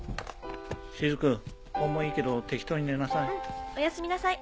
雫本もいいけど適当に寝なさい。